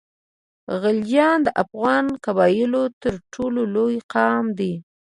غلجیان د افغان قبایلو تر ټولو لوی قام دی.